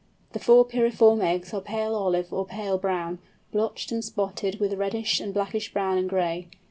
The four pyriform eggs are pale olive or pale brown, blotched and spotted with reddish and blackish brown and gray.